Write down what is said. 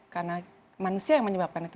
karena manusia yang menyebabkan itu